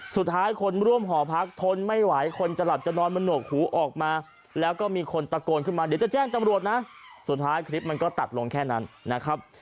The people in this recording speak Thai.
คนร่วมหอพักทนไม่ไหวคนจะหลับจะนอนมันหนวกหูออกมาแล้วก็มีคนตะโกนขึ้นมาเดี๋ยวจะแจ้งตำรวจนะสุดท้ายคลิปมันก็ตัดลงแค่นั้นนะครับ